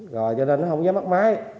rồi cho nên nó không dám bắt máy